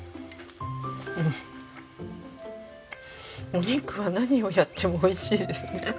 お肉は何をやっても美味しいですね。